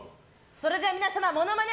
それでは皆様モノマネ